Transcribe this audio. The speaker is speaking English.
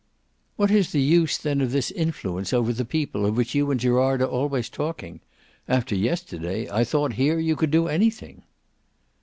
"What is the use then of this influence over the people of which you and Gerard are always talking? After yesterday I thought here you could do anything."